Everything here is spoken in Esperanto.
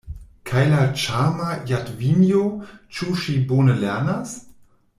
Kaj la ĉarma Jadvinjo, ĉu ŝi bone lernas?